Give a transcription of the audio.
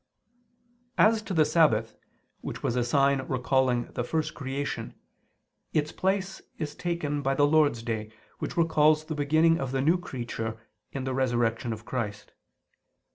As to the sabbath, which was a sign recalling the first creation, its place is taken by the "Lord's Day," which recalls the beginning of the new creature in the Resurrection of Christ.